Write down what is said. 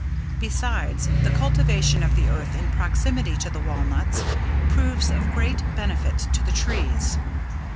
Besides, the cultivation of the earth in proximity to the walnuts proves of great benefit to the trees.